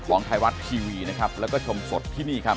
ของไทยรัฐทีวีนะครับแล้วก็ชมสดที่นี่ครับ